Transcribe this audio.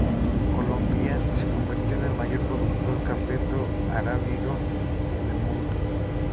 Colombia se convirtió en el mayor productor "cafeto arábigo" en el mundo.